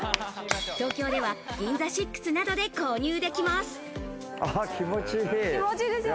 東京ではＧＩＮＺＡＳＩＸなどで購入できます。